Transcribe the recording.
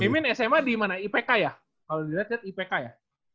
mimin sma di mana ipk ya kalo diliat liat ipk ya